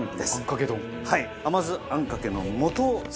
はい。